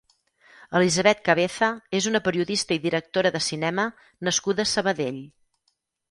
Elisabet Cabeza és una periodista i directora de cinema nascuda a Sabadell.